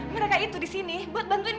mereka itu disini buat bantuin kamu